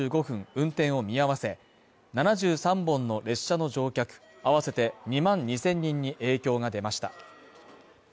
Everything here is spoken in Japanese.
運転を見合わせ７３本の列車の乗客あわせて２万２０００人に影響が出ました。